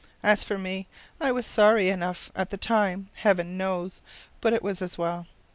As for me, I was sorry enough at the time, Heaven knows, but it was as well.